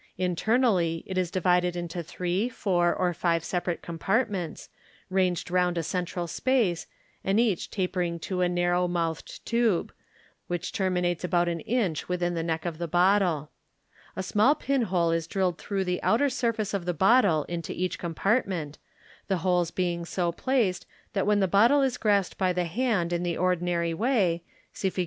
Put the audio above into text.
Internally it is divided into three, four, or rive separate compart ments, ranged round a cen tral space, and each taperii g to a narrow mouthed tube, wliLh terminates about an inch within the neck of the bottle. A small pinhole is drilled through the outer surface of the bottle into each compartment, the 374 MODERN MAGIC. holes being so placed that when the bottle is grasped by the hand in the ordinary way (see Fig.